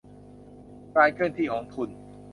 การเคลื่อนที่ของทุน